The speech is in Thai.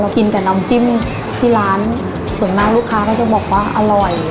กินแต่น้ำจิ้มที่ร้านส่วนมากลูกค้าก็จะบอกว่าอร่อย